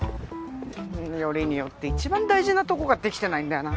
よりによっていちばん大事なとこができてないんだよな。